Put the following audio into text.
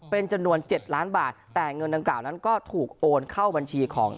เป็นจำนวน๗ล้านบาทแต่เงินดังกล่าวนั้นก็ถูกโอนเข้าบัญชีของ